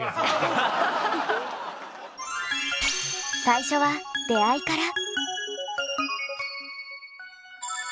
最初は出会いから。